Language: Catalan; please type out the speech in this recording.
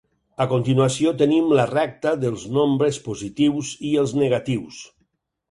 A continuació tenim la recta dels nombres positius i els negatius.